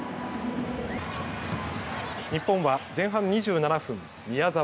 日本は前半２７分、宮澤。